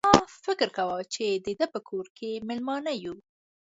ما فکر کاوه چې د ده په کور کې مېلمانه یو.